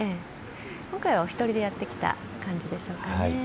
今回はお一人でやってきた感じでしょうかね。